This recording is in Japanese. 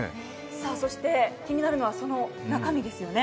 そして気になるのは、その中身ですよね。